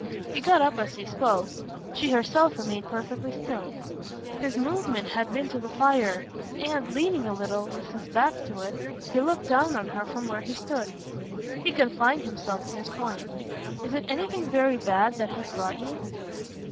He got up as he spoke; she herself remained perfectly still. His movement had been to the fire, and, leaning a little, with his back to it, to look down on her from where he stood, he confined himself to his point. "Is it anything very bad that has brought you?"